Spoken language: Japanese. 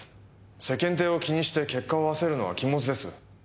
世間体を気にして結果を焦るのは禁物です。